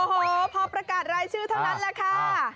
โอ้โหพอประกาศรายชื่อเท่านั้นแหละค่ะ